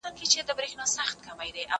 زه اوږده وخت د کتابتون لپاره کار کوم!!